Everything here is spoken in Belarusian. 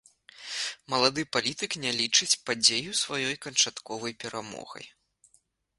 Малады палітык не лічыць падзею сваёй канчатковай перамогай.